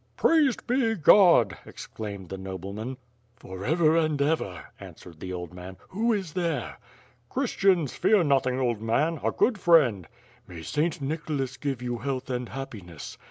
"Praised be (lod," exclaimed the nobleman. "For ever and ever," answered the old man. "Who is there?" "Ohristians, fear nothing, old man, a good friend." "May St. Nicholas give you health and happiness."